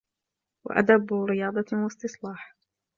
وَأَدَبُ رِيَاضَةٍ وَاسْتِصْلَاحٍ